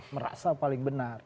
merasa paling benar